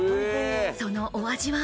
そのお味は。